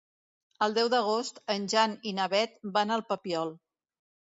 El deu d'agost en Jan i na Beth van al Papiol.